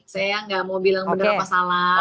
saya tidak mau bilang benar atau salah